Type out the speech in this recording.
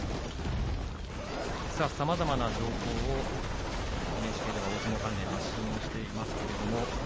さまざまな情報をＮＨＫでは大相撲関連で発信しています。